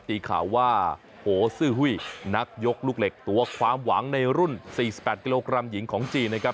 ตีข่าวว่าโหซื้อหุ้ยนักยกลูกเหล็กตัวความหวังในรุ่น๔๘กิโลกรัมหญิงของจีนนะครับ